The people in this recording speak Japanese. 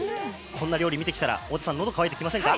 こんな料理を見てきたら太田さんのどが渇いてきませんか？